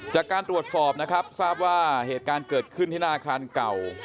จากการตรวจสอบนะครับทราบว่าเหตุการณ์เกิดขึ้นที่หน้าอาคารเก่า